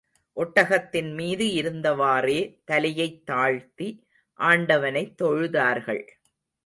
ஒட்டகத்தின் மீது இருந்தவாறே, தலையைத் தாழ்த்தி, ஆண்டவனைத் தொழுதார்கள்.